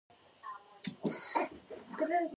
د متون لوستل او څېړل دوې موخي لري.